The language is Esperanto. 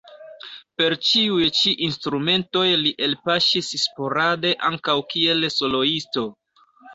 Per ĉiuj ĉi instrumentoj li elpaŝis sporade ankaŭ kiel soloisto.